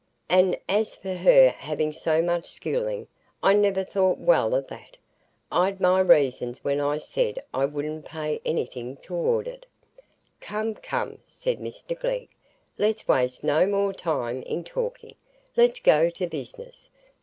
And as for her having so much schooling, I never thought well o' that. I'd my reasons when I said I wouldn't pay anything toward it." "Come, come," said Mr Glegg, "let's waste no more time in talking,—let's go to business.